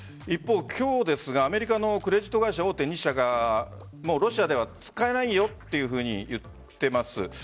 一方、今日ですがアメリカのクレジット会社大手２社がロシアでは使えないよというふうに言っています。